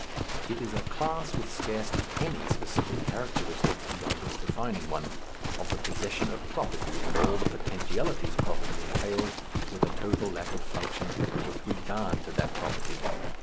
It is a class with scarcely any specific characteristics beyond its defining one, of the possession of property and all the potentialities property entails, with a total lack of function with regard to that property.